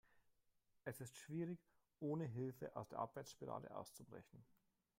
Es ist schwierig, ohne Hilfe aus der Abwärtsspirale auszubrechen.